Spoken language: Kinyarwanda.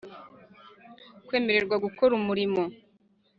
Kwemererwa gukora umurimo